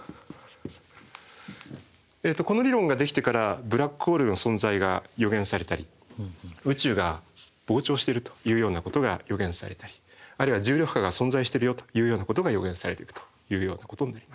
この理論ができてからブラックホールの存在が予言されたり宇宙が膨張してるというようなことが予言されたりあるいは重力波が存在してるよというようなことが予言されていくというようなことになります。